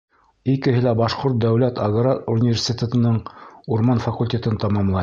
Икеһе лә Башҡорт дәүләт аграр университетының урман факультетын тамамлай.